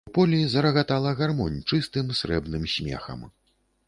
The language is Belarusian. У полі зарагатала гармонь чыстым срэбным смехам.